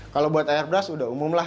kalau buat airbras udah umum lah